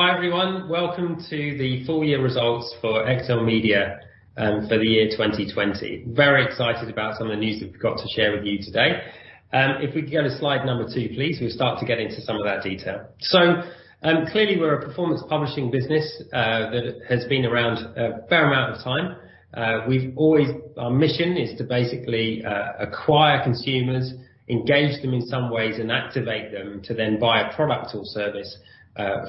Hi, everyone. Welcome to the full year results for XLMedia for the year 2020. Very excited about some of the news we've got to share with you today. If we go to slide number two, please, we'll start to get into some of that detail. Clearly we're a performance publishing business that has been around a fair amount of time. Our mission is to basically acquire consumers, engage them in some ways, and activate them to then buy a product or service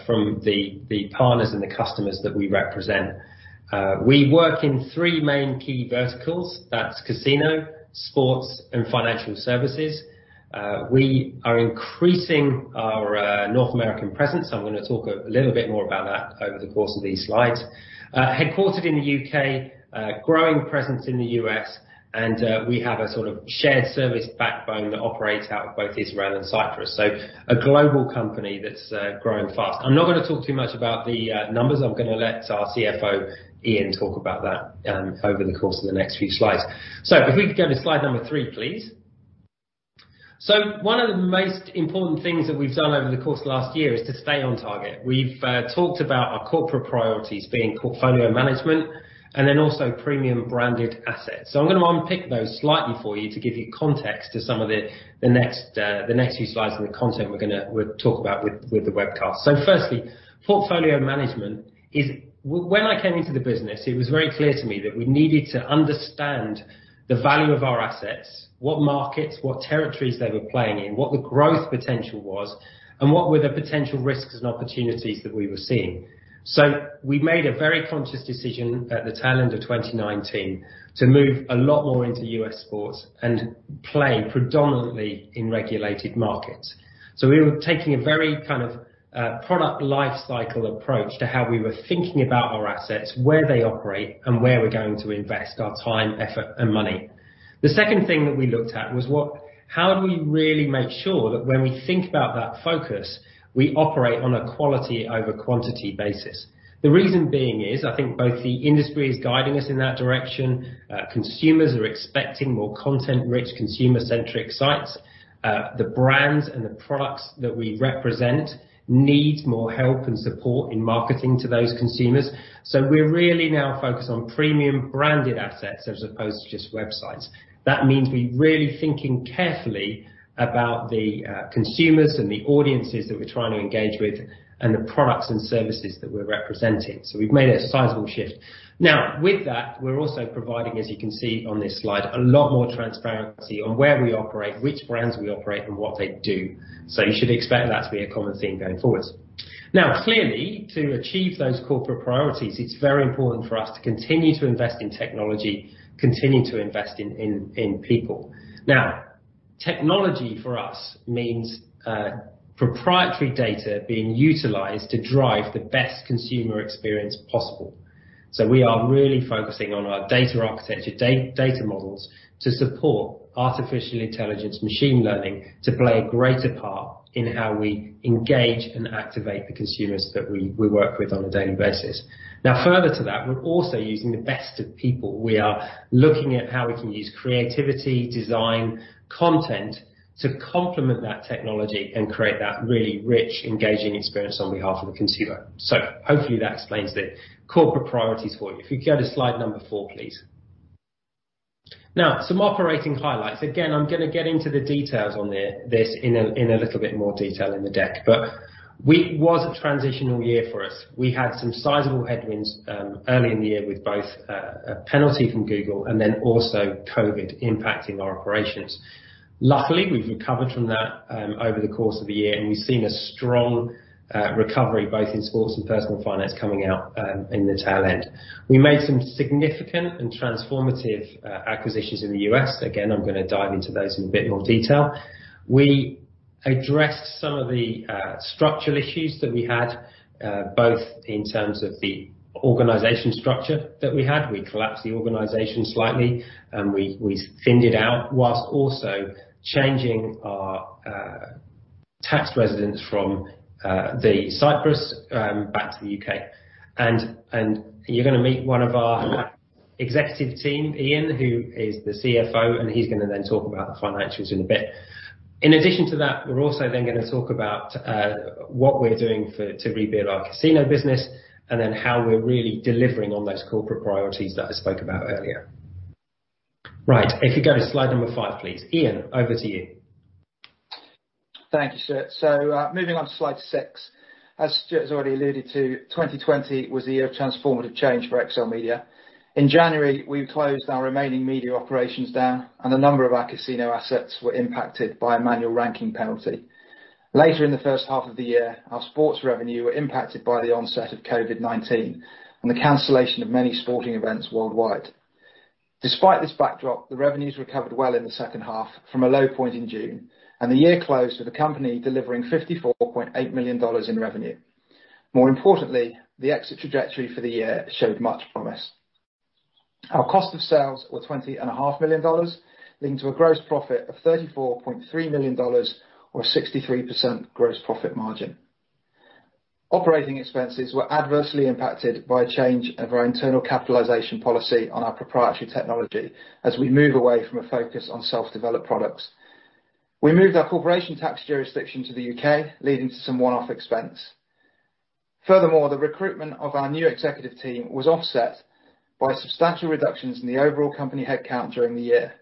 from the partners and the customers that we represent. We work in three main key verticals, that's casino, sports and financial services. We are increasing our North American presence. I'm going to talk a little bit more about that over the course of these slides. Headquartered in the U.K., growing presence in the U.S., and we have a sort of shared service backbone that operates out of both Israel and Cyprus. A global company that's growing fast. I'm not going to talk too much about the numbers. I'm going to let our CFO, Iain, talk about that over the course of the next few slides. If we could go to slide number three, please. One of the most important things that we've done over the course of last year is to stay on target. We've talked about our corporate priorities being portfolio management and then also premium branded assets. I'm going to unpick those slightly for you to give you context to some of the next few slides and the content we're going to talk about with the webcast. Firstly, portfolio management. When I came into the business, it was very clear to me that we needed to understand the value of our assets, what markets, what territories they were playing in, what the growth potential was, and what were the potential risks and opportunities that we were seeing. We made a very conscious decision at the tail end of 2019 to move a lot more into U.S. sports and play predominantly in regulated markets. We were taking a very product lifecycle approach to how we were thinking about our assets, where they operate, and where we're going to invest our time, effort, and money. The second thing that we looked at was how do we really make sure that when we think about that focus, we operate on a quality over quantity basis. The reason being is I think both the industry is guiding us in that direction. Consumers are expecting more content-rich, consumer-centric sites. The brands and the products that we represent need more help and support in marketing to those consumers. We're really now focused on premium branded assets as opposed to just websites. That means we're really thinking carefully about the consumers and the audiences that we're trying to engage with, and the products and services that we're representing. We've made a sizable shift. Now with that, we're also providing, as you can see on this slide, a lot more transparency on where we operate, which brands we operate and what they do. You should expect that to be a common theme going forward. Now, clearly, to achieve those corporate priorities, it's very important for us to continue to invest in technology, continue to invest in people. Now, technology for us means proprietary data being utilized to drive the best consumer experience possible. We are really focusing on our data architecture, data models to support artificial intelligence, machine learning to play a greater part in how we engage and activate the consumers that we work with on a daily basis. Now, further to that, we're also using the best of people. We are looking at how we can use creativity, design, content to complement that technology and create that really rich, engaging experience on behalf of the consumer. Hopefully that explains the corporate priorities for you. If we go to slide number four, please. Now, some operating highlights. Again, I'm going to get into the details on this in a little bit more detail in the deck, but it was a transitional year for us. We had some sizable headwinds, early in the year with both a penalty from Google and then also COVID impacting our operations. Luckily, we've recovered from that over the course of the year, and we've seen a strong recovery both in sports and personal finance coming out in the tail end. We made some significant and transformative acquisitions in the U.S. I'm going to dive into those in a bit more detail. We addressed some of the structural issues that we had, both in terms of the organization structure that we had. We collapsed the organization slightly and we thinned it out, whilst also changing our tax residence from Cyprus back to the U.K. You're going to meet one of our executive team, Iain, who is the CFO, and he's going to then talk about the financials in a bit. In addition to that, we're also then going to talk about what we're doing to rebuild our casino business, and then how we're really delivering on those corporate priorities that I spoke about earlier. Right. If you go to slide number five, please. Iain, over to you. Thank you, Stuart. Moving on to slide six. As Stuart's already alluded to, 2020 was the year of transformative change for XLMedia. In January, we closed our remaining media operations down, and a number of our casino assets were impacted by a manual ranking penalty. Later in the first half of the year, our sports revenue were impacted by the onset of COVID-19 and the cancellation of many sporting events worldwide. Despite this backdrop, the revenues recovered well in the second half from a low point in June, and the year closed with the company delivering $54.8 million in revenue. More importantly, the exit trajectory for the year showed much promise. Our cost of sales were $20.5 million, leading to a gross profit of $34.3 million, or 63% gross profit margin. Operating expenses were adversely impacted by a change of our internal capitalization policy on our proprietary technology as we move away from a focus on self-developed products. We moved our corporation tax jurisdiction to the U.K., leading to some one-off expense. Furthermore, the recruitment of our new executive team was offset by substantial reductions in the overall company headcount during the year.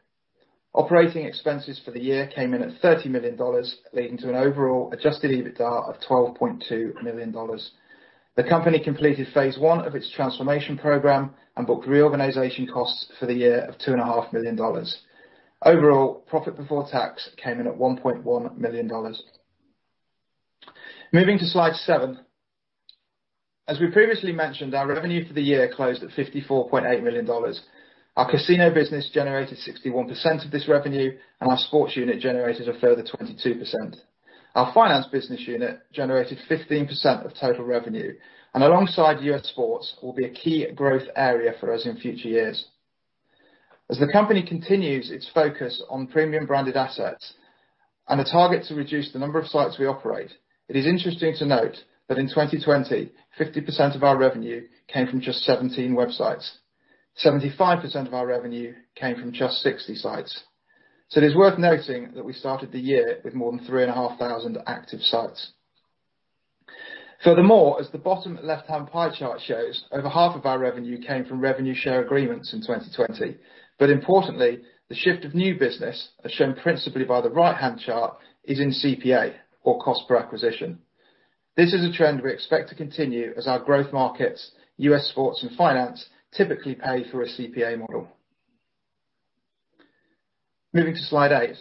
Operating expenses for the year came in at $30 million, leading to an overall adjusted EBITDA of $12.2 million. The company completed phase I of its transformation program and booked reorganization costs for the year of $2.5 million. Overall, profit before tax came in at $1.1 million. Moving to slide seven. As we previously mentioned, our revenue for the year closed at $54.8 million. Our casino business generated 61% of this revenue, and our sports unit generated a further 22%. Our finance business unit generated 15% of total revenue, and alongside US sports, will be a key growth area for us in future years. As the company continues its focus on premium branded assets and a target to reduce the number of sites we operate, it is interesting to note that in 2020, 50% of our revenue came from just 17 websites. 75% of our revenue came from just 60 sites. It is worth noting that we started the year with more than 3,500 active sites. Furthermore, as the bottom left-hand pie chart shows, over half of our revenue came from revenue share agreements in 2020. Importantly, the shift of new business, as shown principally by the right-hand chart, is in CPA or cost per acquisition. This is a trend we expect to continue as our growth markets, US sports and finance, typically pay for a CPA model. Moving to slide eight.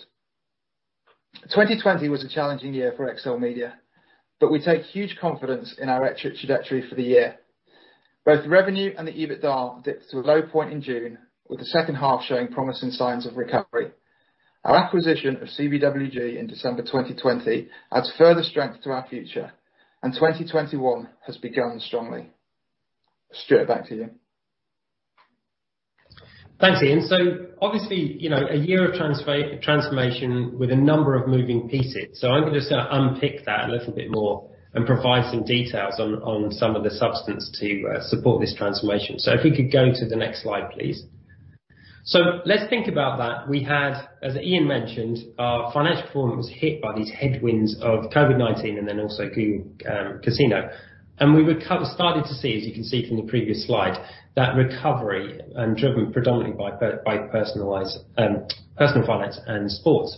2020 was a challenging year for XLMedia, but we take huge confidence in our trajectory for the year. Both the revenue and the EBITDA dipped to a low point in June, with the second half showing promising signs of recovery. Our acquisition of CBWG in December 2020 adds further strength to our future, and 2021 has begun strongly. Stuart, back to you. Thanks, Iain. Obviously, a year of transformation with a number of moving pieces. I'm going to unpick that a little bit more and provide some details on some of the substance to support this transformation. If we could go to the next slide, please. Let's think about that. We had, as Iain mentioned, our financial performance was hit by these headwinds of COVID-19 and then also Google Casino. We started to see, as you can see from the previous slide, that recovery and driven predominantly by personal finance and sports.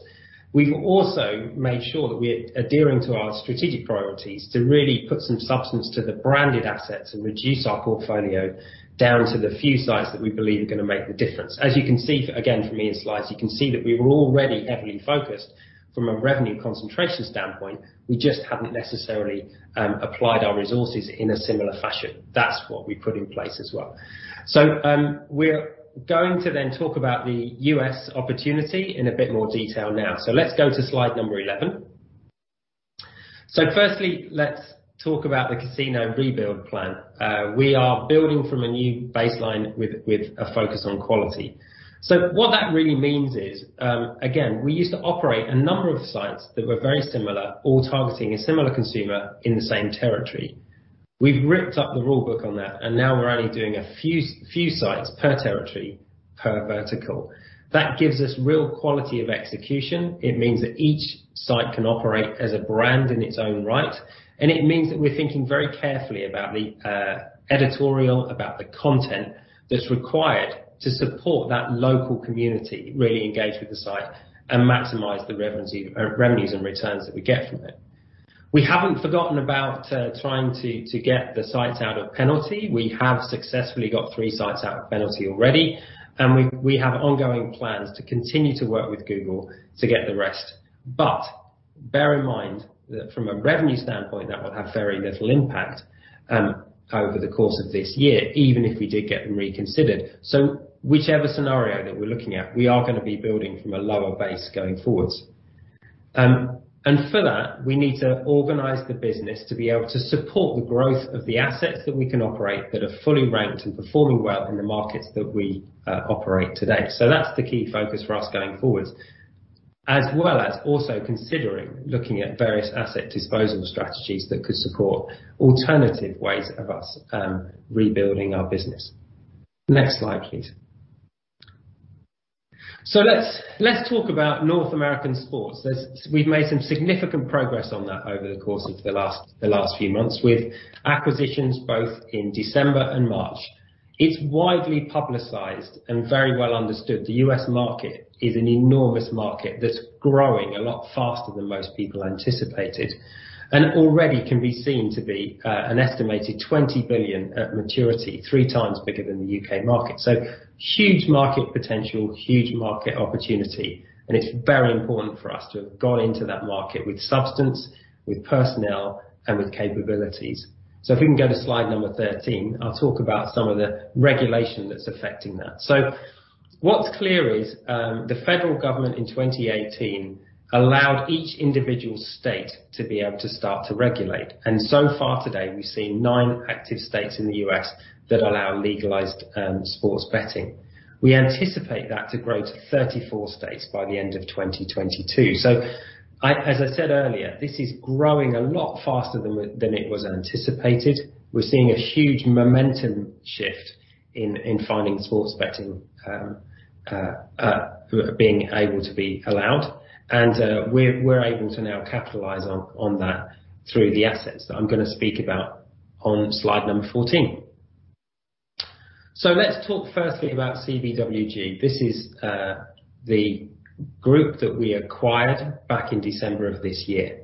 We've also made sure that we're adhering to our strategic priorities to really put some substance to the branded assets and reduce our portfolio down to the few sites that we believe are gonna make the difference. As you can see, again, from Iain's slides, you can see that we were already heavily focused from a revenue concentration standpoint. We just hadn't necessarily applied our resources in a similar fashion. That's what we put in place as well. We're going to then talk about the U.S. opportunity in a bit more detail now. Let's go to slide number 11. Firstly, let's talk about the casino rebuild plan. We are building from a new baseline with a focus on quality. What that really means is, again, we used to operate a number of sites that were very similar or targeting a similar consumer in the same territory. We've ripped up the rule book on that, and now we're only doing a few sites per territory, per vertical. That gives us real quality of execution. It means that each site can operate as a brand in its own right, and it means that we're thinking very carefully about the editorial, about the content that's required to support that local community, really engage with the site and maximize the revenues and returns that we get from it. We haven't forgotten about trying to get the sites out of penalty. We have successfully got three sites out of penalty already, and we have ongoing plans to continue to work with Google to get the rest. Bear in mind that from a revenue standpoint, that will have very little impact over the course of this year, even if we did get them reconsidered. Whichever scenario that we're looking at, we are gonna be building from a lower base going forwards. For that, we need to organize the business to be able to support the growth of the assets that we can operate that are fully ranked and performing well in the markets that we operate today. That's the key focus for us going forward, as well as also considering looking at various asset disposal strategies that could support alternative ways of us rebuilding our business. Next slide, please. Let's talk about North American sports. We've made some significant progress on that over the course of the last few months with acquisitions both in December and March. It's widely publicized and very well understood the U.S. market is an enormous market that's growing a lot faster than most people anticipated. And already can be seen to be an estimated $20 billion at maturity, three times bigger than the U.K. market. Huge market potential, huge market opportunity, and it's very important for us to have gone into that market with substance, with personnel, and with capabilities. If we can go to slide number 13, I'll talk about some of the regulation that's affecting that. What's clear is, the federal government in 2018 allowed each individual state to be able to start to regulate. So far today, we've seen nine active states in the U.S. that allow legalized sports betting. We anticipate that to grow to 34 states by the end of 2022. As I said earlier, this is growing a lot faster than it was anticipated. We're seeing a huge momentum shift in finding sports betting being able to be allowed and we're able to now capitalize on that through the assets that I'm going to speak about on slide number 14. Let's talk firstly about CBWG. This is the group that we acquired back in December of this year.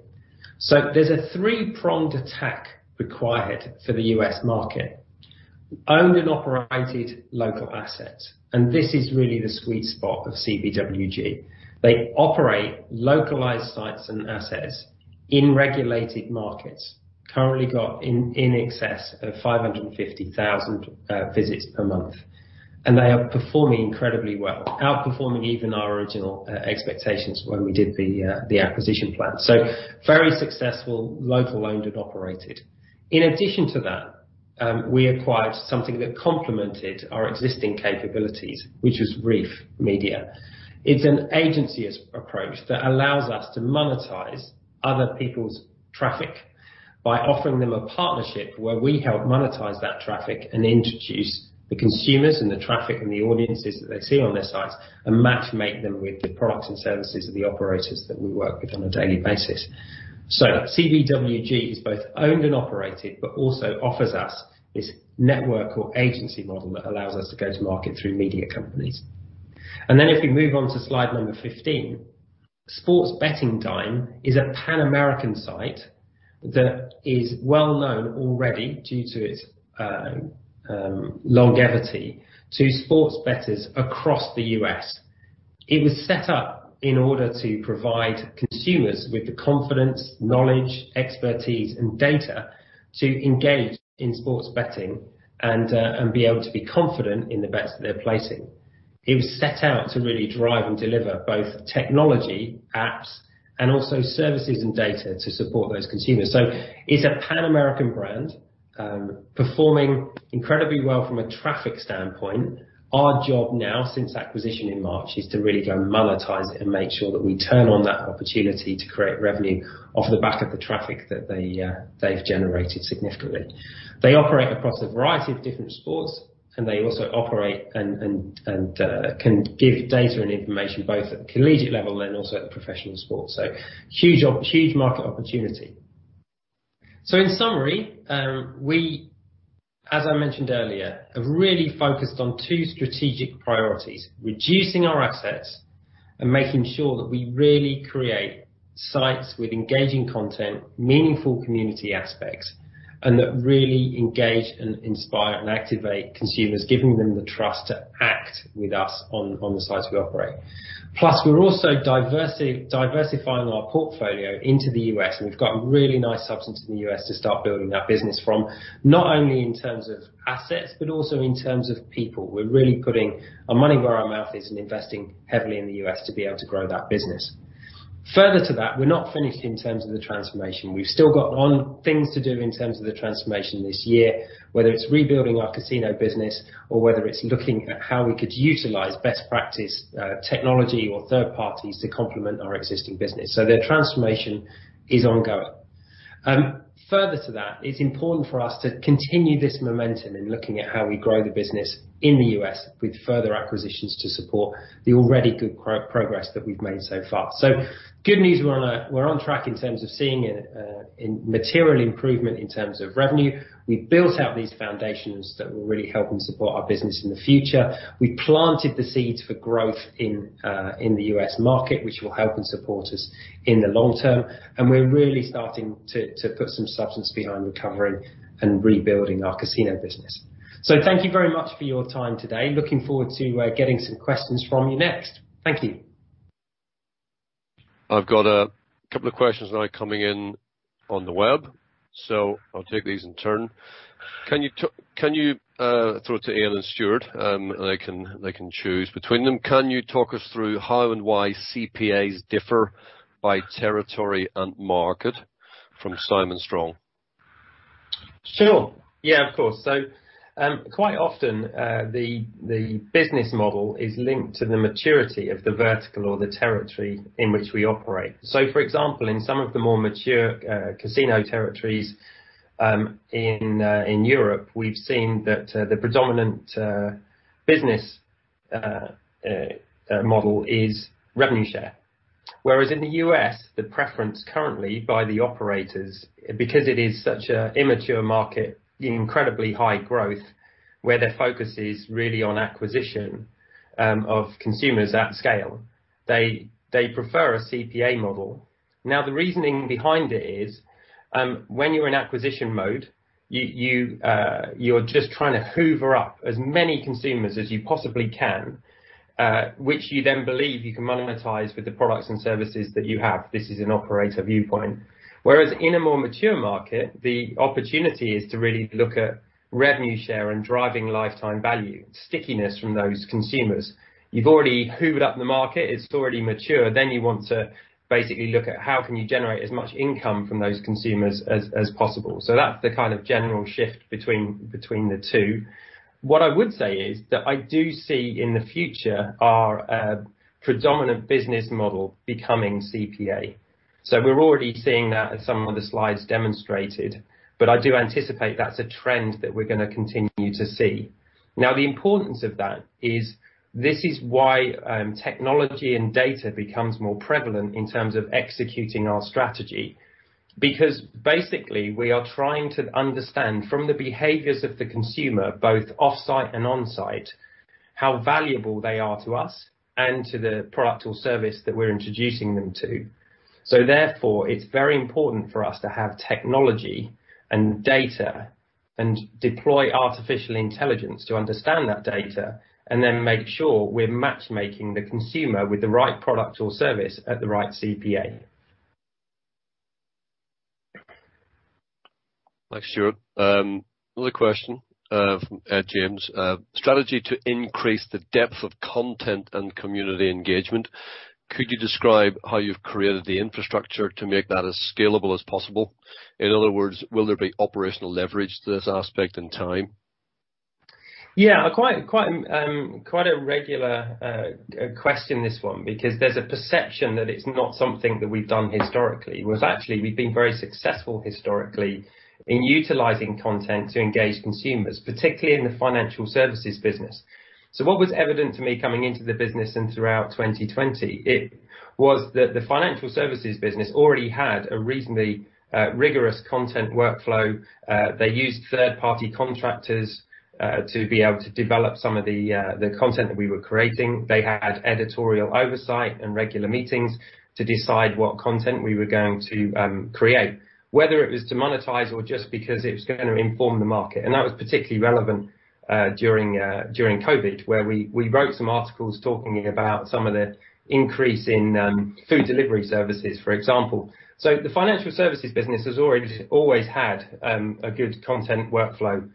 There's a three-pronged attack required for the U.S. market. Owned and operated local assets, this is really the sweet spot of CBWG. They operate localized sites and assets in regulated markets. Currently got in excess of 550,000 visits per month, they are performing incredibly well, outperforming even our original expectations when we did the acquisition plan. Very successful, local owned and operated. In addition to that, we acquired something that complemented our existing capabilities, which was Reef Media. It's an agency approach that allows us to monetize other people's traffic by offering them a partnership where we help monetize that traffic and introduce the consumers and the traffic and the audiences that they see on their sites and matchmake them with the products and services of the operators that we work with on a daily basis. CBWG is both owned and operated, but also offers us this network or agency model that allows us to go to market through media companies. If we move on to slide number 15, Sports Betting Dime is a Pan-American site that is well-known already due to its longevity to sports bettors across the U.S. It was set up in order to provide consumers with the confidence, knowledge, expertise, and data to engage in sports betting and be able to be confident in the bets that they're placing. It was set out to really drive and deliver both technology, apps and also services and data to support those consumers. It's a Pan-American brand, performing incredibly well from a traffic standpoint. Our job now since acquisition in March is to really go and monetize it and make sure that we turn on that opportunity to create revenue off the back of the traffic that they've generated significantly. They operate across a variety of different sports, and they also operate and can give data and information both at the collegiate level and also at the professional sports. Huge market opportunity. In summary, we, as I mentioned earlier, have really focused on two strategic priorities, reducing our assets and making sure that we really create sites with engaging content, meaningful community aspects, and that really engage and inspire and activate consumers, giving them the trust to act with us on the sites we operate. We're also diversifying our portfolio into the U.S., and we've got a really nice substance in the U.S. to start building that business from, not only in terms of assets, but also in terms of people. We're really putting our money where our mouth is and investing heavily in the U.S. to be able to grow that business. Further to that, we're not finished in terms of the transformation. We've still got things to do in terms of the transformation this year, whether it's rebuilding our casino business or whether it's looking at how we could utilize best practice technology or third parties to complement our existing business. The transformation is ongoing. Further to that, it's important for us to continue this momentum in looking at how we grow the business in the U.S. with further acquisitions to support the already good progress that we've made so far. Good news, we're on track in terms of seeing a material improvement in terms of revenue. We've built out these foundations that will really help and support our business in the future. We planted the seeds for growth in the U.S. market, which will help and support us in the long term, and we're really starting to put some substance behind recovering and rebuilding our casino business. Thank you very much for your time today. Looking forward to getting some questions from you next. Thank you. I've got a couple of questions now coming in on the web, so I'll take these in turn. Can you throw it to Iain and Stuart? They can choose between them. Can you talk us through how and why CPAs differ by territory and market? From Simon Strong. Sure. Yeah, of course. Quite often, the business model is linked to the maturity of the vertical or the territory in which we operate. For example, in some of the more mature casino territories in Europe, we've seen that the predominant business model is revenue share. Whereas in the U.S., the preference currently by the operators, because it is such an immature market in incredibly high growth where their focus is really on acquisition of consumers at scale, they prefer a CPA model. The reasoning behind it is, when you're in acquisition mode, you're just trying to hoover up as many consumers as you possibly can, which you then believe you can monetize with the products and services that you have. This is an operator viewpoint. Whereas in a more mature market, the opportunity is to really look at revenue share and driving lifetime value, stickiness from those consumers. You've already hoovered up the market. It's already mature. You want to basically look at how can you generate as much income from those consumers as possible. That's the kind of general shift between the two. What I would say is that I do see in the future our predominant business model becoming CPA. We're already seeing that as some of the slides demonstrated, but I do anticipate that's a trend that we're going to continue to see. The importance of that is this is why technology and data becomes more prevalent in terms of executing our strategy. Basically we are trying to understand from the behaviors of the consumer, both offsite and onsite, how valuable they are to us and to the product or service that we're introducing them to. Therefore, it's very important for us to have technology and data and deploy artificial intelligence to understand that data and then make sure we're matchmaking the consumer with the right product or service at the right CPA. Thanks, Stuart. Another question from Ed James. Strategy to increase the depth of content and community engagement. Could you describe how you've created the infrastructure to make that as scalable as possible? In other words, will there be operational leverage to this aspect in time? Yeah, quite a regular question this one, because there's a perception that it's not something that we've done historically, whereas actually we've been very successful historically in utilizing content to engage consumers, particularly in the financial services business. What was evident to me coming into the business and throughout 2020, it was that the financial services business already had a reasonably rigorous content workflow. They used third-party contractors to be able to develop some of the content that we were creating. They had editorial oversight and regular meetings to decide what content we were going to create, whether it was to monetize or just because it was going to inform the market. That was particularly relevant during COVID, where we wrote some articles talking about some of the increase in food delivery services, for example. The financial services business has always had a good content workflow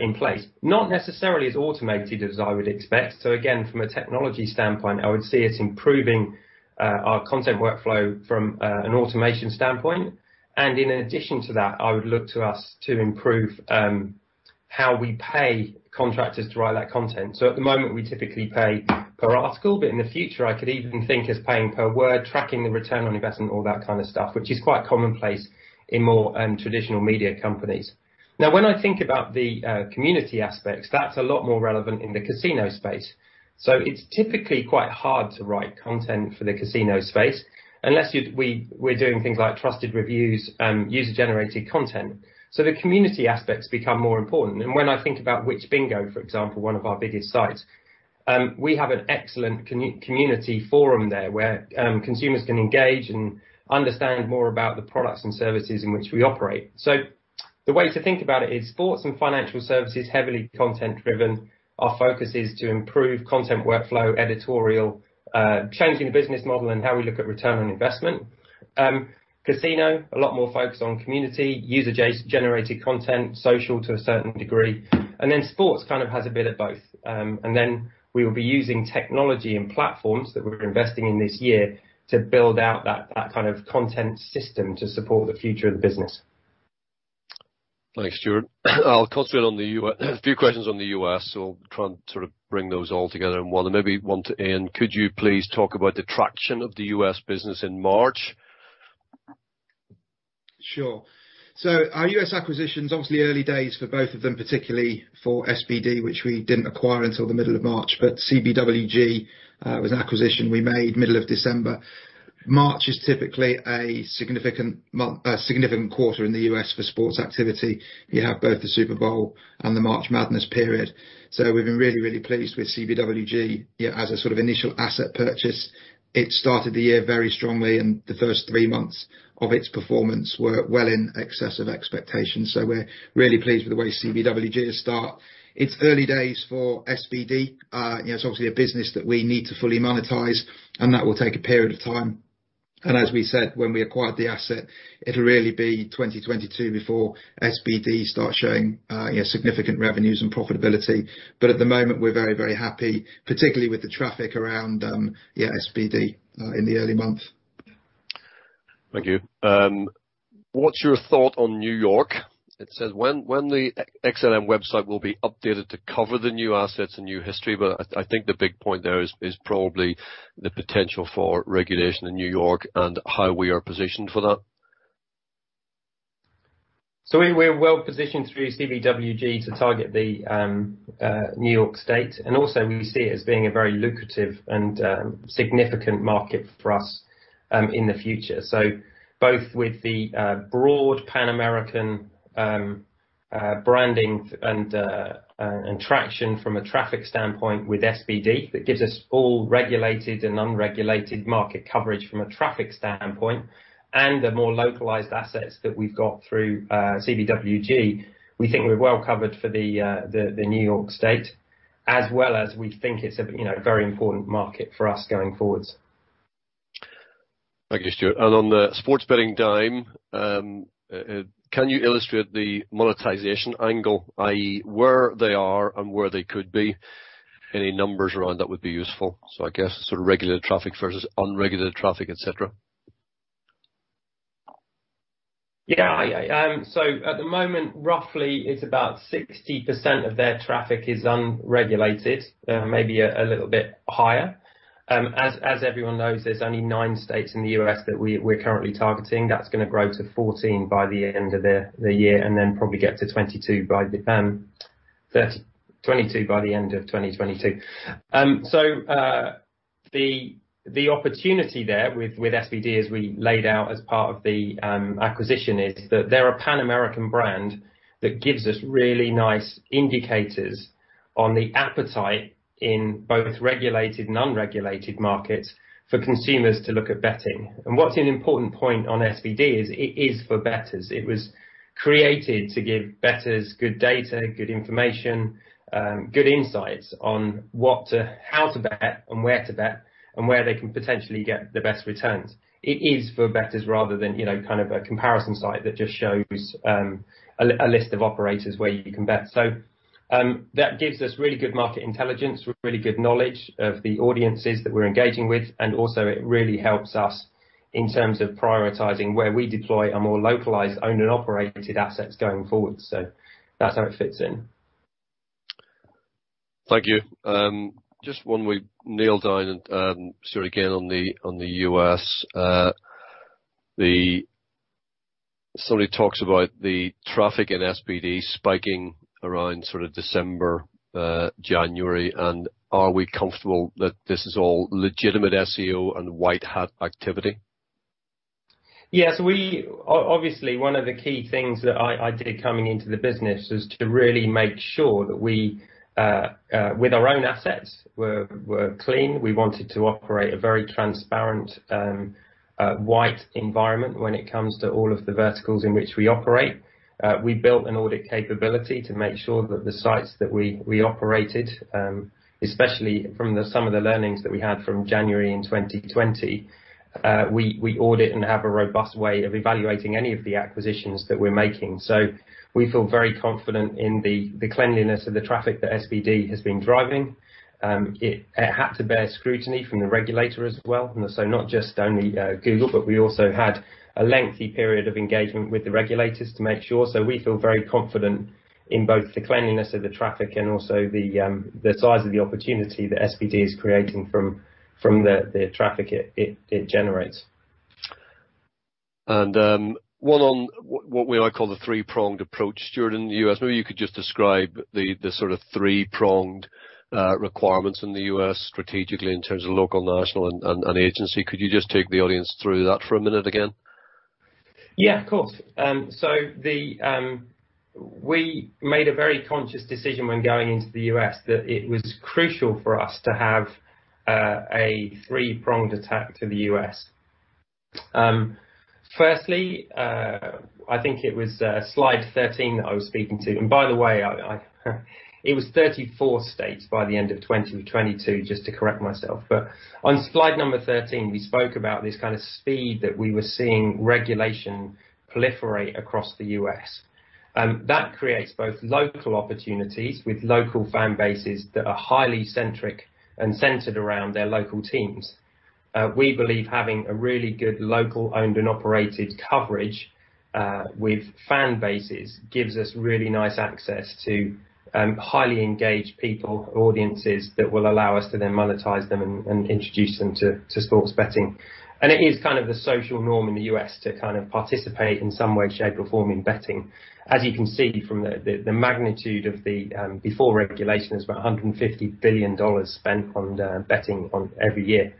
in place, not necessarily as automated as I would expect. Again, from a technology standpoint, I would see us improving our content workflow from an automation standpoint. In addition to that, I would look to us to improve how we pay contractors to write that content. At the moment, we typically pay per article, but in the future I could even think as paying per word, tracking the return on investment, all that kind of stuff, which is quite commonplace in more traditional media companies. When I think about the community aspects, that's a lot more relevant in the casino space. It's typically quite hard to write content for the casino space unless we're doing things like trusted reviews, user-generated content, so the community aspects become more important. When I think about WhichBingo, for example, one of our biggest sites, we have an excellent community forum there where consumers can engage and understand more about the products and services in which we operate. The way to think about it is sports and financial services, heavily content driven. Our focus is to improve content workflow, editorial, changing the business model and how we look at return on investment. Casino, a lot more focus on community, user-generated content, social to a certain degree. Sports kind of has a bit of both. We will be using technology and platforms that we're investing in this year to build out that kind of content system to support the future of the business. Thanks, Stuart. I'll concentrate on a few questions on the U.S., so I'll try and sort of bring those all together in one. Maybe one to Iain. Could you please talk about the traction of the U.S. business in March? Sure. Our U.S. acquisitions, obviously early days for both of them, particularly for SBD, which we didn't acquire until the middle of March, but CBWG was an acquisition we made middle of December. March is typically a significant quarter in the U.S. for sports activity. You have both the Super Bowl and the March Madness period. We've been really, really pleased with CBWG as a sort of initial asset purchase. It started the year very strongly and the first three months of its performance were well in excess of expectations. We're really pleased with the way CBWG has started. It's early days for SBD. It's obviously a business that we need to fully monetize and that will take a period of time. As we said when we acquired the asset, it'll really be 2022 before SBD starts showing significant revenues and profitability. At the moment we're very, very happy, particularly with the traffic around SBD in the early months. Thank you. What's your thought on New York? It says when the XLMedia website will be updated to cover the new assets and new history. I think the big point there is probably the potential for regulation in New York and how we are positioned for that. We're well positioned through CBWG to target the New York State and also we see it as being a very lucrative and significant market for us in the future. Both with the broad Pan-American branding and traction from a traffic standpoint with SBD, that gives us all regulated and unregulated market coverage from a traffic standpoint and the more localized assets that we've got through CBWG, we think we're well covered for the New York State as well as we think it's a very important market for us going forwards. Thank you, Stuart. On the Sports Betting Dime, can you illustrate the monetization angle, i.e., where they are and where they could be? Any numbers around that would be useful. I guess sort of regulated traffic versus unregulated traffic, et cetera. Yeah. At the moment, roughly it's about 60% of their traffic is unregulated, maybe a little bit higher. As everyone knows, there's only nine states in the U.S. that we're currently targeting. That's going to grow to 14 by the end of the year probably get to 22 by the end of 2022. The opportunity there with SBD, as we laid out as part of the acquisition, is that they're a Pan-American brand that gives us really nice indicators on the appetite in both regulated and unregulated markets for consumers to look at betting. What's an important point on SBD is it is for bettors. It was created to give bettors good data, good information, good insights on how to bet and where to bet, and where they can potentially get the best returns. It is for bettors rather than a comparison site that just shows a list of operators where you can bet. That gives us really good market intelligence, really good knowledge of the audiences that we're engaging with, and also it really helps us in terms of prioritizing where we deploy our more localized owned and operated assets going forward. That's how it fits in. Thank you. Just one we nail down and sort of again on the U.S., somebody talks about the traffic in SBD spiking around sort of December, January, and are we comfortable that this is all legitimate SEO and white hat activity? Yes. Obviously, one of the key things that I did coming into the business is to really make sure that with our own assets, we're clean. We wanted to operate a very transparent white environment when it comes to all of the verticals in which we operate. We built an audit capability to make sure that the sites that we operated, especially from some of the learnings that we had from January in 2020, we audit and have a robust way of evaluating any of the acquisitions that we're making. We feel very confident in the cleanliness of the traffic that SBD has been driving. It had to bear scrutiny from the regulator as well, not just only Google, but we also had a lengthy period of engagement with the regulators to make sure. We feel very confident in both the cleanliness of the traffic and also the size of the opportunity that SBD is creating from the traffic it generates. One on what we like call the three-pronged approach, Stuart, in the U.S. Maybe you could just describe the sort of three-pronged requirements in the U.S. strategically in terms of local, national, and agency. Could you just take the audience through that for a minute again? Yeah, of course. We made a very conscious decision when going into the U.S. that it was crucial for us to have a three-pronged attack to the U.S. Firstly, I think it was slide 13 that I was speaking to, and by the way, it was 34 states by the end of 2022, just to correct myself. On slide number 13, we spoke about this kind of speed that we were seeing regulation proliferate across the U.S. That creates both local opportunities with local fan bases that are highly centric and centered around their local teams. We believe having a really good local owned and operated coverage with fan bases gives us really nice access to highly engaged people, audiences that will allow us to then monetize them and introduce them to sports betting. It is kind of the social norm in the U.S. to kind of participate in some way, shape, or form in betting. As you can see from the magnitude of the before regulation is about $150 billion spent on betting every year.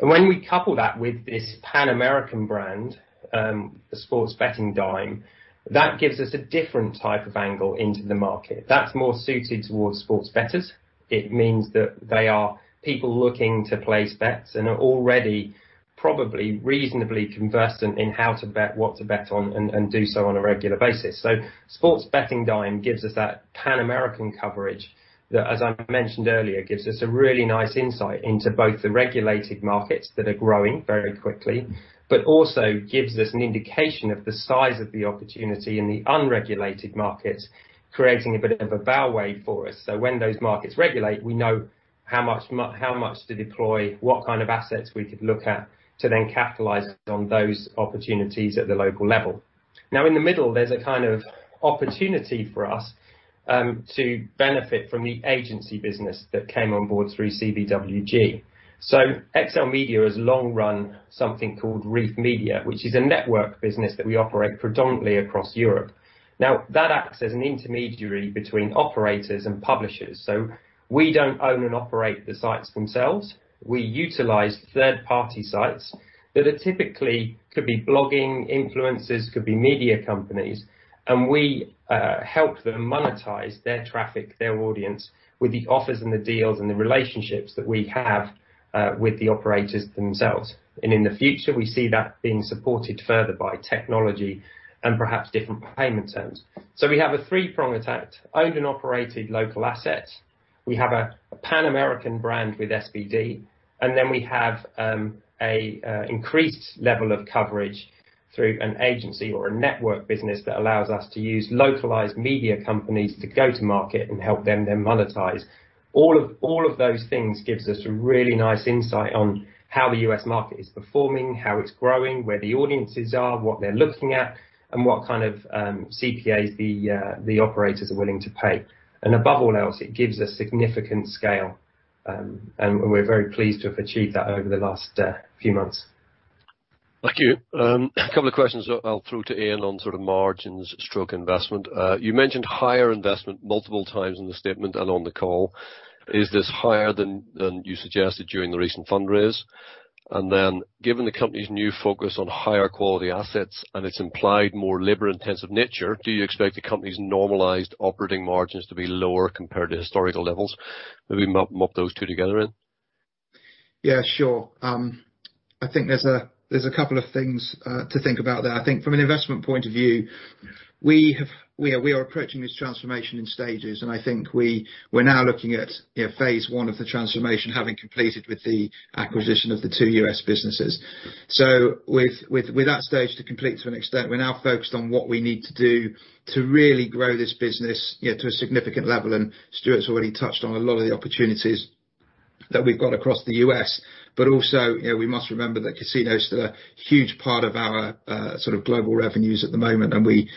When we couple that with this Pan-American brand, the Sports Betting Dime, that gives us a different type of angle into the market. That's more suited towards sports bettors. It means that they are people looking to place bets and are already probably reasonably conversant in how to bet, what to bet on, and do so on a regular basis. Sports Betting Dime gives us that Pan-American coverage that, as I mentioned earlier, gives us a really nice insight into both the regulated markets that are growing very quickly, but also gives us an indication of the size of the opportunity in the unregulated markets, creating a bit of a bow wave for us. When those markets regulate, we know how much to deploy, what kind of assets we could look at to then capitalize on those opportunities at the local level. Now, in the middle, there's a kind of opportunity for us to benefit from the agency business that came on board through CBWG. XLMedia has long run something called Reef Media, which is a network business that we operate predominantly across Europe. Now, that acts as an intermediary between operators and publishers. We don't own and operate the sites themselves. We utilize third-party sites that are typically could be blogging influences, could be media companies, and we help them monetize their traffic, their audience with the offers and the deals and the relationships that we have with the operators themselves. In the future, we see that being supported further by technology and perhaps different payment terms. We have a three-pronged attack, owned and operated local assets. We have a Pan-American brand with SBD, and then we have an increased level of coverage through an agency or a network business that allows us to use localized media companies to go to market and help them then monetize. All of those things gives us a really nice insight on how the U.S. market is performing, how it's growing, where the audiences are, what they're looking at, and what kind of CPAs the operators are willing to pay. Above all else, it gives a significant scale, and we're very pleased to have achieved that over the last few months. Thank you. A couple of questions I'll throw to Iain on sort of margins stroke investment. You mentioned higher investment multiple times in the statement and on the call. Is this higher than you suggested during the recent fundraise? Given the company's new focus on higher quality assets and its implied more labor-intensive nature, do you expect the company's normalized operating margins to be lower compared to historical levels? Maybe mop those two together then. Yeah, sure. I think there's a couple of things to think about there. I think from an investment point of view, we are approaching this transformation in stages. I think we're now looking at phase I of the transformation having completed with the acquisition of the two U.S. businesses. With that stage to complete to an extent, we're now focused on what we need to do to really grow this business to a significant level. Stuart Simms's already touched on a lot of the opportunities that we've got across the U.S. Also, we must remember that casinos are a huge part of our sort of global revenues at the moment. We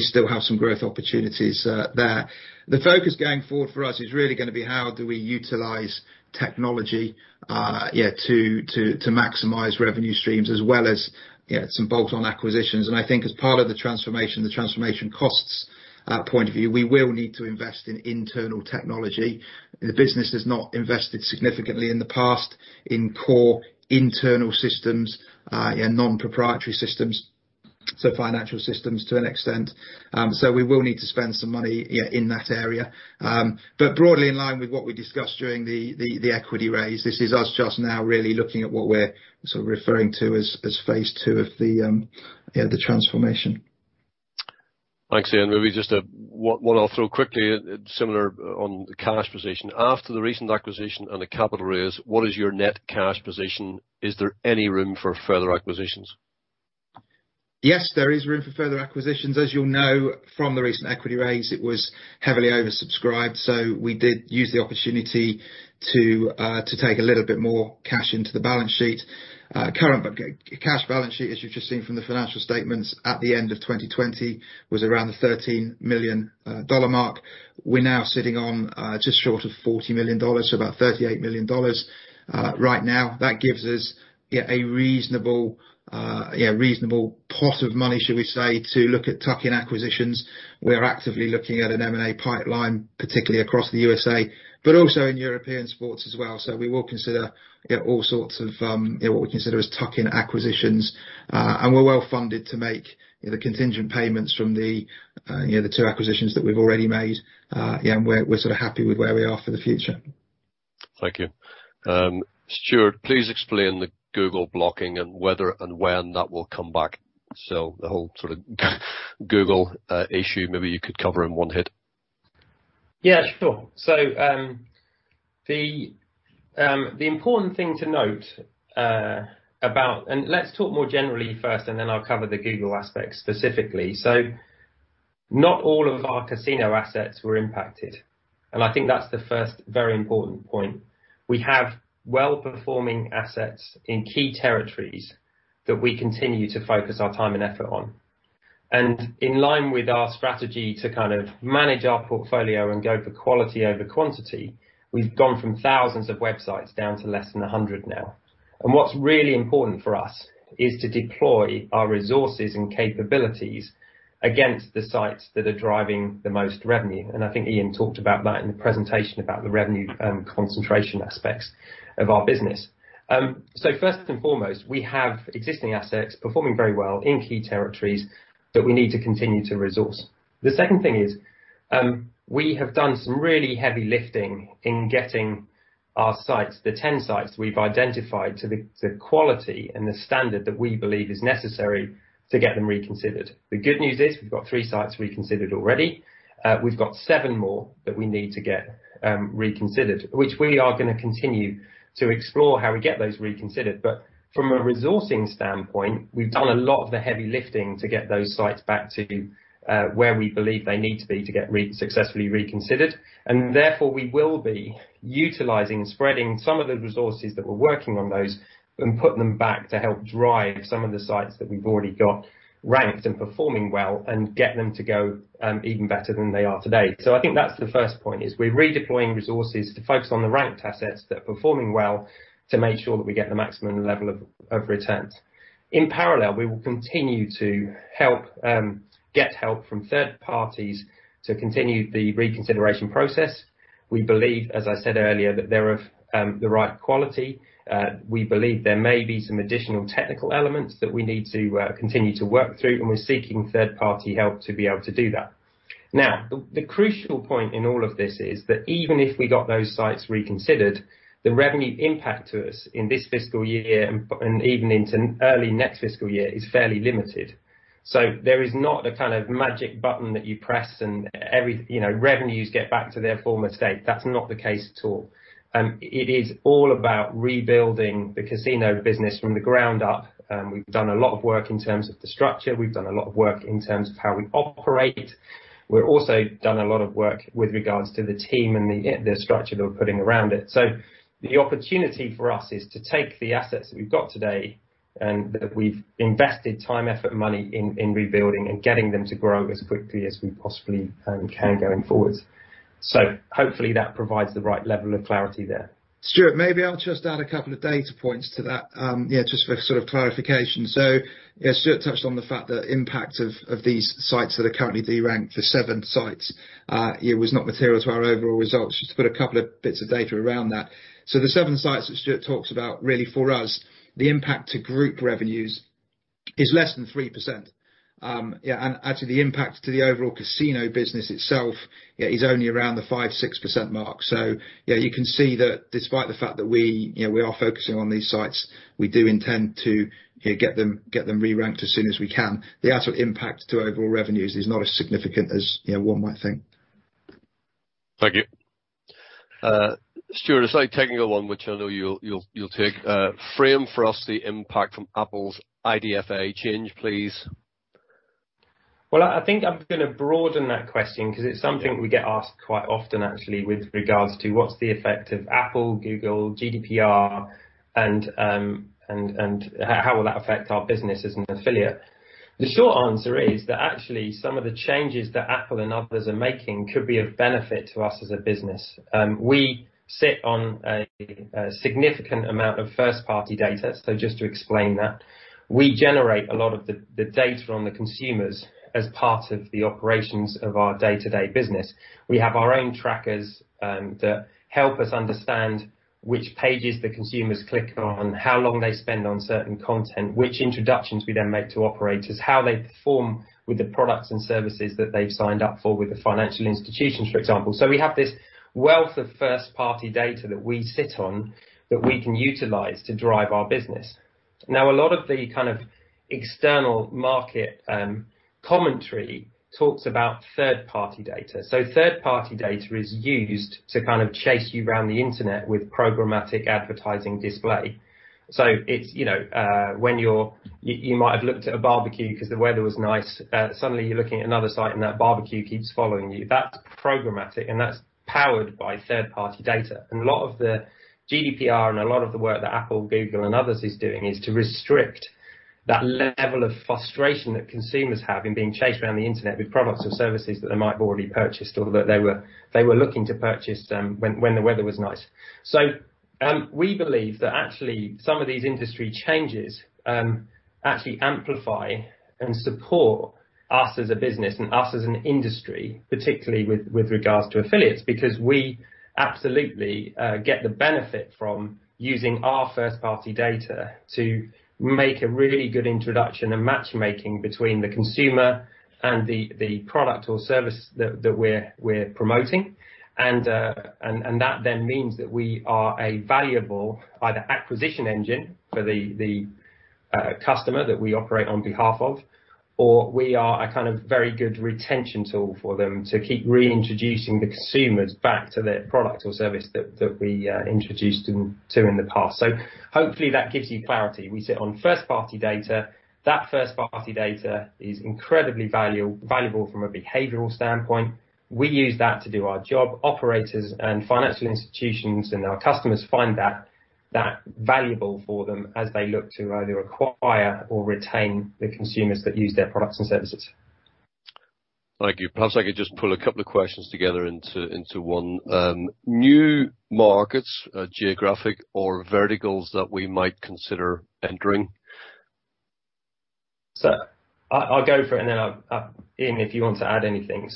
still have some growth opportunities there. The focus going forward for us is really going to be how do we utilize technology to maximize revenue streams as well as some bolt-on acquisitions. I think as part of the transformation, the transformation costs point of view, we will need to invest in internal technology. The business has not invested significantly in the past in core internal systems and non-proprietary systems, so financial systems to an extent. We will need to spend some money in that area. Broadly in line with what we discussed during the equity raise, this is us just now really looking at what we're sort of referring to as phase II of the transformation. Thanks, Iain. Maybe just one I'll throw quickly similar on the cash position. After the recent acquisition and the capital raise, what is your net cash position? Is there any room for further acquisitions? Yes, there is room for further acquisitions. As you'll know from the recent equity raise, it was heavily oversubscribed, we did use the opportunity to take a little bit more cash into the balance sheet. Current cash balance sheet, as you've just seen from the financial statements at the end of 2020, was around the $13 million mark. We're now sitting on just short of $40 million, about $38 million right now. That gives us a reasonable pot of money, should we say, to look at tuck-in acquisitions. We are actively looking at an M&A pipeline, particularly across the USA, but also in European sports as well. We will consider all sorts of what we consider as tuck-in acquisitions. We're well funded to make the contingent payments from the two acquisitions that we've already made. We're sort of happy with where we are for the future. Thank you. Stuart, please explain the Google blocking and whether and when that will come back. The whole sort of Google issue, maybe you could cover in one hit. Yeah, sure. The important thing to note, let's talk more generally first, and then I'll cover the Google aspects specifically. Not all of our casino assets were impacted, and I think that's the first very important point. We have well-performing assets in key territories that we continue to focus our time and effort on. In line with our strategy to kind of manage our portfolio and go for quality over quantity, we've gone from thousands of websites down to less than 100 now. What's really important for us is to deploy our resources and capabilities against the sites that are driving the most revenue. I think Iain talked about that in the presentation about the revenue concentration aspects of our business. First and foremost, we have existing assets performing very well in key territories that we need to continue to resource. The second thing is, we have done some really heavy lifting in getting our sites, the 10 sites we've identified, to the quality and the standard that we believe is necessary to get them reconsidered. The good news is we've got three sites reconsidered already. We've got seven more that we need to get reconsidered. Which we are going to continue to explore how we get those reconsidered. From a resourcing standpoint, we've done a lot of the heavy lifting to get those sites back to where we believe they need to be to get successfully reconsidered. Therefore, we will be utilizing and spreading some of the resources that we're working on those and putting them back to help drive some of the sites that we've already got ranked and performing well and get them to go even better than they are today. I think that's the first point, is we're redeploying resources to focus on the ranked assets that are performing well to make sure that we get the maximum level of returns. In parallel, we will continue to get help from third parties to continue the reconsideration process. We believe, as I said earlier, that they're of the right quality. We believe there may be some additional technical elements that we need to continue to work through, and we're seeking third party help to be able to do that. The crucial point in all of this is that even if we got those sites reconsidered, the revenue impact to us in this fiscal year and even into early next fiscal year is fairly limited. There is not a kind of magic button that you press and revenues get back to their former state. That's not the case at all. It is all about rebuilding the casino business from the ground up. We've done a lot of work in terms of the structure. We've done a lot of work in terms of how we operate. We're also done a lot of work with regards to the team and the structure that we're putting around it. The opportunity for us is to take the assets that we've got today and that we've invested time, effort and money in rebuilding and getting them to grow as quickly as we possibly can going forward. Hopefully that provides the right level of clarity there. Stuart, maybe I'll just add a couple of data points to that just for sort of clarification. Stuart touched on the fact that impact of these sites that are currently deranked, the seven sites, it was not material to our overall results. Just put a couple of bits of data around that. The seven sites that Stuart talks about, really for us, the impact to group revenues is less than 3%. The impact to the overall casino business itself is only around the 5%-6% mark. You can see that despite the fact that we are focusing on these sites, we do intend to get them re-ranked as soon as we can. The actual impact to overall revenues is not as significant as one might think. Thank you. Stuart, aside taking along, which I know you'll take, frame for us the impact from Apple's IDFA change, please. I think I'm going to broaden that question because it's something we get asked quite often, actually, with regards to what's the effect of Apple, Google, GDPR, and how will that affect our business as an affiliate. The short answer is that actually some of the changes that Apple and others are making could be of benefit to us as a business. We sit on a significant amount of first-party data. Just to explain that, we generate a lot of the data on the consumers as part of the operations of our day-to-day business. We have our own trackers that help us understand which pages the consumers click on, how long they spend on certain content, which introductions we then make to operators, how they perform with the products and services that they've signed up for with the financial institutions, for example. We have this wealth of first-party data that we sit on that we can utilize to drive our business. A lot of the kind of external market commentary talks about third-party data. Third-party data is used to kind of chase you around the internet with programmatic advertising display. You might have looked at a barbecue because the weather was nice. Suddenly you're looking at another site and that barbecue keeps following you. That's programmatic and that's powered by third-party data. A lot of the GDPR and a lot of the work that Apple, Google, and others is doing is to restrict that level of frustration that consumers have in being chased around the internet with products or services that they might have already purchased or that they were looking to purchase when the weather was nice. We believe that actually some of these industry changes actually amplify and support us as a business and us as an industry, particularly with regards to affiliates, because we absolutely get the benefit from using our first-party data to make a really good introduction and matchmaking between the consumer and the product or service that we're promoting. That then means that we are a valuable either acquisition engine for the customer that we operate on behalf of, or we are a kind of very good retention tool for them to keep reintroducing the consumers back to the product or service that we introduced them to in the past. Hopefully that gives you clarity. We sit on first-party data. That first-party data is incredibly valuable from a behavioral standpoint. We use that to do our job. Operators and financial institutions and our customers find that valuable for them as they look to either acquire or retain the consumers that use their products and services. Thank you. Perhaps I could just pull a couple of questions together into one. New markets, geographic or verticals that we might consider entering. I'll go for it and then Iain if you want to add anything.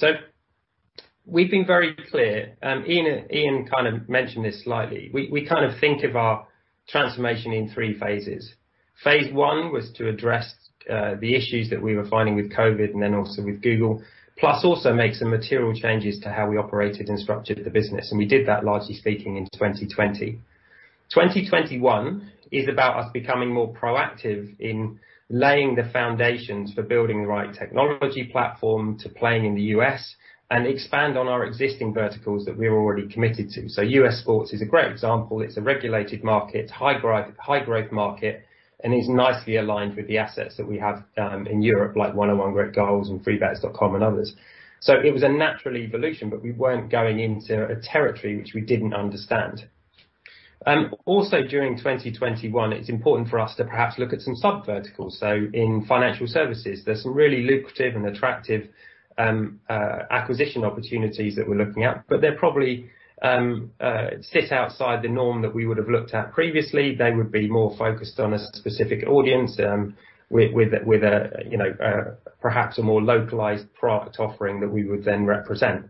We've been very clear. Iain kind of mentioned this slightly. We kind of think of our transformation in three phases. Phase I was to address the issues that we were finding with COVID and then also with Google, plus also make some material changes to how we operated and structured the business, and we did that largely speaking in 2020. 2021 is about us becoming more proactive in laying the foundations for building the right technology platform to playing in the U.S. and expand on our existing verticals that we are already committed to. U.S. sports is a great example. It's a regulated market, high growth market, and is nicely aligned with the assets that we have in Europe, like 101 Great Goals and freebets.com and others. It was a natural evolution, but we weren't going into a territory which we didn't understand. During 2021, it's important for us to perhaps look at some sub verticals. In financial services, there's some really lucrative and attractive acquisition opportunities that we're looking at, but they probably sit outside the norm that we would have looked at previously. They would be more focused on a specific audience with perhaps a more localized product offering that we would then represent.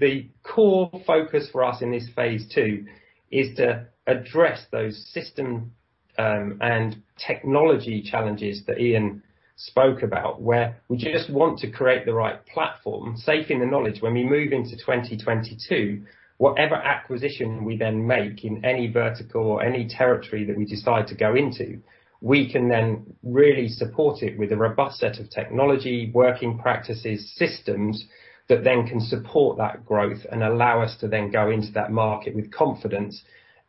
The core focus for us in this phase II is to address those system and technology challenges that Iain spoke about, where we just want to create the right platform, safe in the knowledge when we move into 2022, whatever acquisition we then make in any vertical or any territory that we decide to go into, we can then really support it with a robust set of technology, working practices, systems that then can support that growth and allow us to then go into that market with confidence,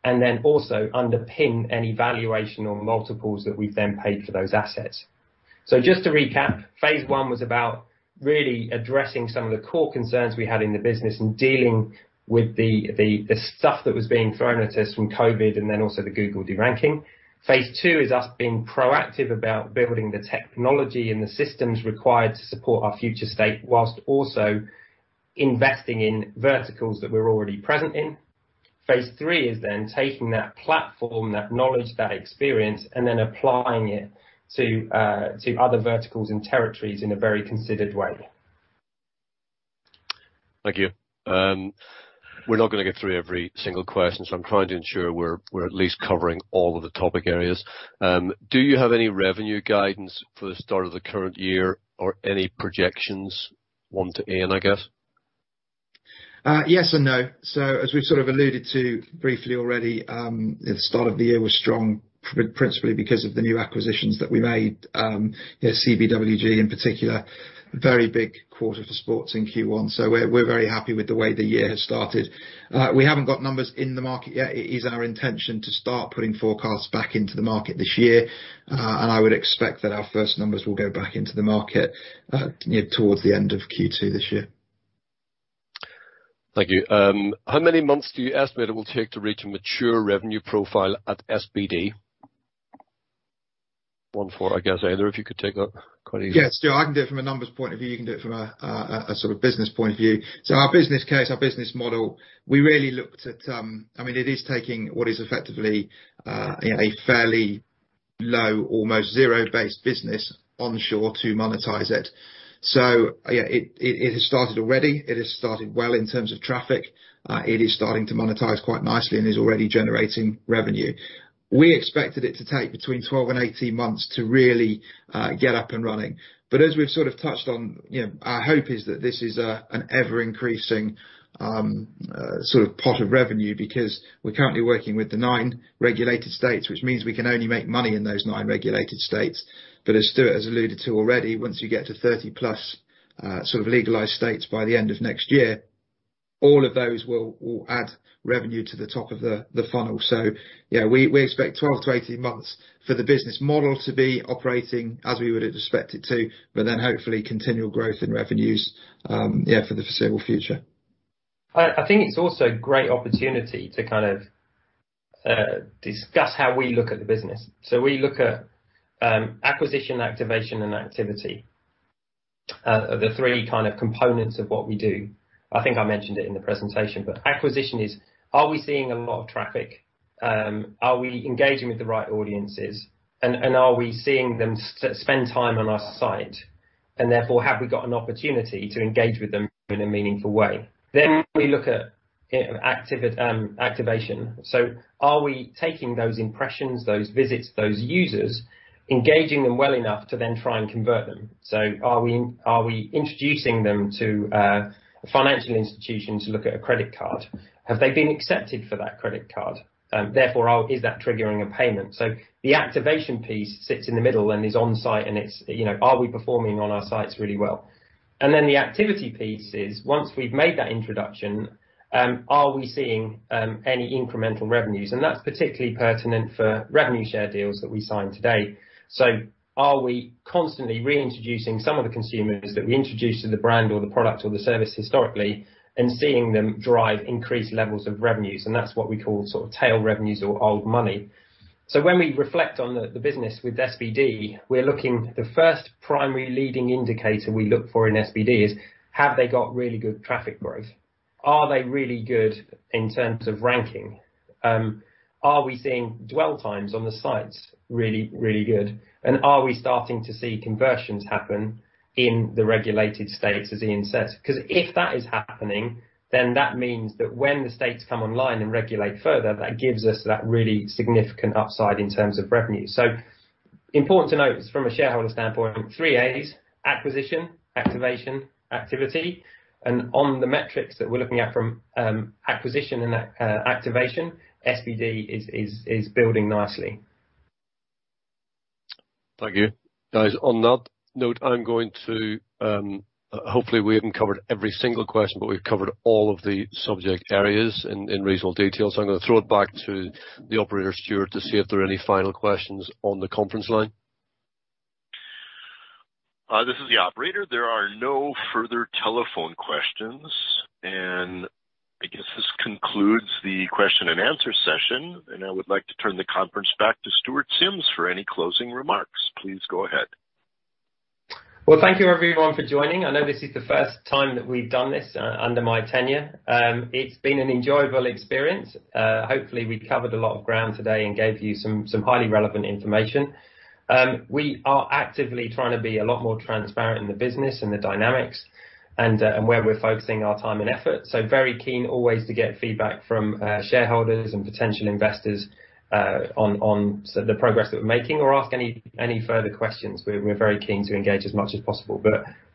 and then also underpin any valuation or multiples that we've then paid for those assets. Just to recap, phase I was about really addressing some of the core concerns we had in the business and dealing with the stuff that was being thrown at us from COVID and then also the Google deranking. Phase II is us being proactive about building the technology and the systems required to support our future state, while also investing in verticals that we're already present in. Phase III is then taking that platform, that knowledge, that experience, and then applying it to other verticals and territories in a very considered way. Thank you. We're not going to get through every single question, so I'm trying to ensure we're at least covering all of the topic areas. Do you have any revenue guidance for the start of the current year or any projections? One to Iain, I guess. Yes and no. As we've sort of alluded to briefly already, the start of the year was strong, principally because of the new acquisitions that we made. CBWG in particular, very big quarter for sports in Q1. We're very happy with the way the year has started. We haven't got numbers in the market yet. It is our intention to start putting forecasts back into the market this year. I would expect that our first numbers will go back into the market towards the end of Q2 this year. Thank you. How many months do you estimate it will take to reach a mature revenue profile at SBD? One for, I guess, either of you could take that quite easily. Yeah, Stuart, I can do it from a numbers point of view. You can do it from a business point of view. Our business case, our business model, it is taking what is effectively a fairly low, almost zero-based business onshore to monetize it. Yeah, it has started already. It has started well in terms of traffic. It is starting to monetize quite nicely and is already generating revenue. We expected it to take between 12 and 18 months to really get up and running. As we've sort of touched on, our hope is that this is an ever-increasing pot of revenue because we're currently working with the nine regulated states, which means we can only make money in those nine regulated states. As Stuart has alluded to already, once you get to 30+ legalized states by the end of next year, all of those will add revenue to the top of the funnel. Yeah, we expect 12-18 months for the business model to be operating as we would have expected to, but then hopefully continual growth in revenues for the foreseeable future. I think it's also a great opportunity to discuss how we look at the business. We look at acquisition, activation, and activity, are the three components of what we do. I think I mentioned it in the presentation, acquisition is, are we seeing a lot of traffic? Are we engaging with the right audiences? Are we seeing them spend time on our site? Therefore, have we got an opportunity to engage with them in a meaningful way? We look at activation. Are we taking those impressions, those visits, those users, engaging them well enough to then try and convert them? Are we introducing them to a financial institution to look at a credit card? Have they been accepted for that credit card? Therefore, is that triggering a payment? The activation piece sits in the middle and is on-site and it's are we performing on our sites really well? The activity piece is once we've made that introduction, are we seeing any incremental revenues? That's particularly pertinent for revenue share deals that we sign today. Are we constantly reintroducing some of the consumers that we introduced to the brand or the product or the service historically and seeing them drive increased levels of revenues, and that's what we call tail revenues or old money. When we reflect on the business with SBD, the first primary leading indicator we look for in SBD is have they got really good traffic growth? Are they really good in terms of ranking? Are we seeing dwell times on the sites really, really good? Are we starting to see conversions happen in the regulated states, as Iain says? If that is happening, then that means that when the states come online and regulate further, that gives us that really significant upside in terms of revenue. Important to note from a shareholder standpoint, 3 As, Acquisition, Activation, Activity, and on the metrics that we're looking at from acquisition and activation, SBD is building nicely. Thank you. Guys, on that note, hopefully we haven't covered every single question, but we've covered all of the subject areas in reasonable detail. I'm going to throw it back to the operator, Stuart, to see if there are any final questions on the conference line. This is the operator. There are no further telephone questions. I guess this concludes the question and answer session. I would like to turn the conference back to Stuart Simms for any closing remarks. Please go ahead. Well, thank you, everyone, for joining. I know this is the first time that we've done this under my tenure. It's been an enjoyable experience. Hopefully, we covered a lot of ground today and gave you some highly relevant information. We are actively trying to be a lot more transparent in the business and the dynamics and where we're focusing our time and effort. Very keen always to get feedback from shareholders and potential investors on the progress that we're making or ask any further questions. We're very keen to engage as much as possible.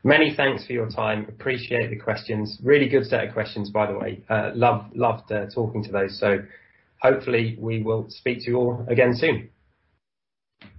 Many thanks for your time. Appreciate the questions. Really good set of questions, by the way. Loved talking to those. Hopefully we will speak to you all again soon.